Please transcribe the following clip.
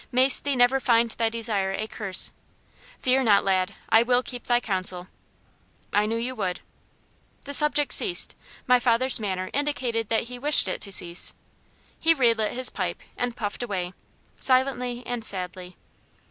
"Mayst thee never find thy desire a curse. Fear not, lad I will keep thy counsel." "I knew you would." The subject ceased: my father's manner indicated that he wished it to cease. He re lit his pipe, and puffed away, silently and sadly.